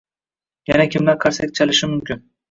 Yana kimlar qarsak chalishi mumkin?